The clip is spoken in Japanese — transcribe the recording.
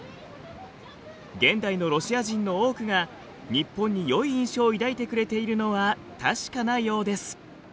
現代のロシア人の多くが日本によい印象を抱いてくれているのは確かなようです。